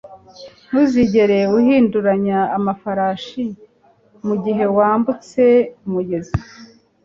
Ntuzigere uhinduranya amafarashi mugihe wambutse umugezi